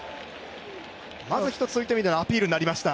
まず１つ、そういった意味ではアピールにもなりました。